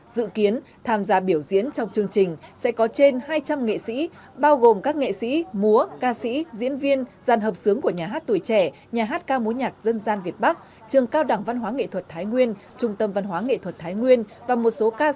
dự kiến tham gia biểu diễn trong chương trình sẽ có trên hai trăm linh nghệ sĩ bao gồm các nghệ sĩ múa ca sĩ diễn viên dàn hợp sướng của nhà hát tuổi trẻ nhà hát ca múa nhạc dân gian việt bắc trường cao đẳng văn hóa nghệ thuật thái nguyên trung tâm văn hóa nghệ thuật thái nguyên và một số ca sĩ nghệ sĩ nổi tiếng khác